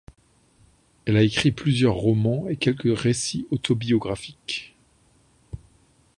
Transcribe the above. Elle a écrit plusieurs romans et quelques récits autobiographiques.